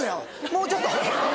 もうちょっと？